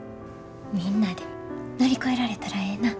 みんなで乗り越えられたらええな。